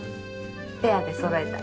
ペアで揃えた。